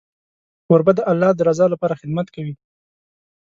کوربه د الله د رضا لپاره خدمت کوي.